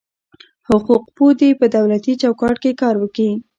حقوق پوه دي په دولتي چوکاټ کي کار وکي.